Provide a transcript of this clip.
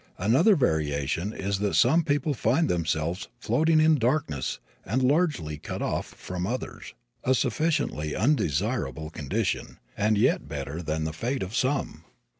Another variation is that some people find themselves floating in darkness and largely cut off from others a sufficiently undesirable condition, and yet better than the fate of some.